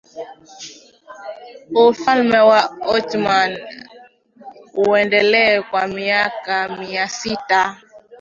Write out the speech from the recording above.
Ufalme wa Ottoman uliendelea kwa miaka mia sita